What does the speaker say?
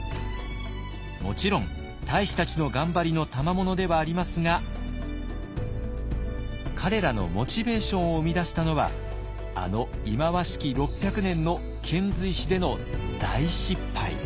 もちろん太子たちの頑張りのたまものではありますが彼らのモチベーションを生み出したのはあの忌まわしき６００年の遣隋使での大失敗。